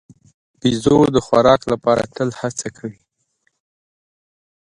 بیزو د خوراک لپاره تل هڅه کوي.